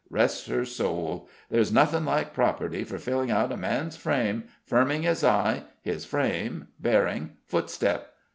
Rest her soul! There's nothing like property for filling out a man's frame, firming his eye, his frame, bearing, footstep.